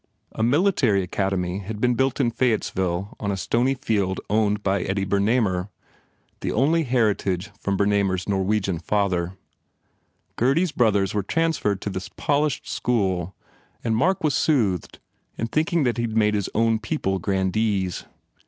A Military Academy had been built in Fayettesville on a stony field owned by Eddie Bernamer, the only heritage from Ber THE FAIR REWARDS namer s Norwegian father. Gurdy s brothers were transferred to this polished school and Mark was soothed, in thinking that he d made his own people grandees.